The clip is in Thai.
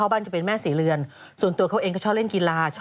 เอ้าจากภาพนี้นี่เองจะแต่งงานกันแล้วหรอ